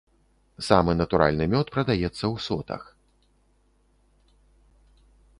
Самы натуральны мёд прадаецца ў сотах.